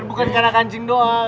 bukan karena kancing doang